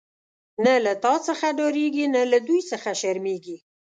نه له تا څخه ډاريږی، نه له دوی څخه شرميږی